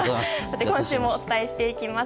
今週もお伝えしていきます。